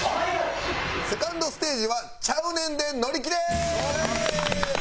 ２ｎｄステージはちゃうねんで乗り切れ！